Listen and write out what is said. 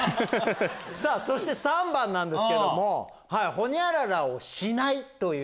そして３番なんですけども「ホニャララをしない」という。